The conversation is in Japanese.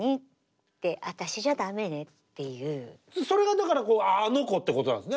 それがだからあの娘ってことなんですね。